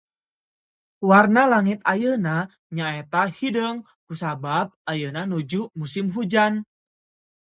Warna langit ayeuna nyaeta hideung kusabab ayeuna nuju musim hujan.